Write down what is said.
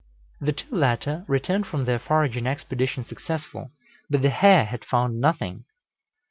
The two latter returned from their foraging expedition successful, but the hare had found nothing.